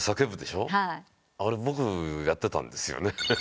あれ僕やってたんですよね。